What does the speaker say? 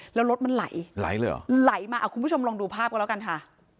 แล้วรถมันไหลไหลมาคุณผู้ชมลองดูภาพกันแล้วกันค่ะ